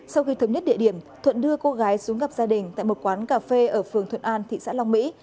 sau khi thống nhất địa điểm thuận đưa cô gái xuống gặp gia đình tại một quán cà phê ở phường thuận an thị xã long mỹ